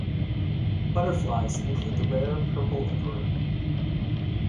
Butterflies include the rare purple emperor.